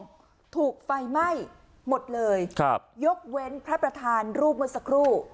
ถูกไฟไหม้หมดเลยครับยกเว้นพระประธานรูปเมื่อสักครู่